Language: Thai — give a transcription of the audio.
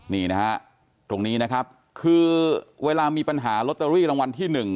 นี่นะฮะตรงนี้นะครับคือเวลามีปัญหาลอตเตอรี่รางวัลที่๑